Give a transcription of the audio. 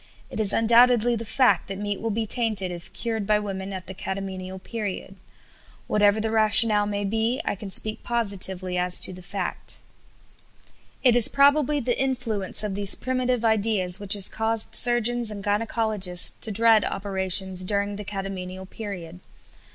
It is undoubtedly the fact that meat will be tainted if cured by women at the catamenial period. Whatever the rationale may be, I can speak positively as to the fact." It is probably the influence of these primitive ideas which has caused surgeons and gynæcologists to dread operations during the catamenial period.